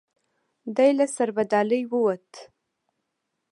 دی له سربدالۍ ووت.